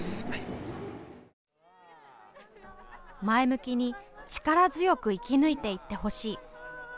前向きに力強く生き抜いていってほしい。